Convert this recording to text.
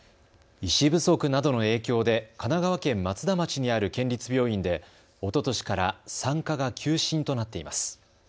医師不足などの影響で神奈川県松田町にある県立病院でおととしから産科が休診となっています。